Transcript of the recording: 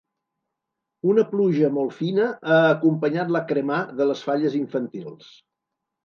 Una pluja molt fina ha acompanyat la ‘cremà’ de les falles infantils.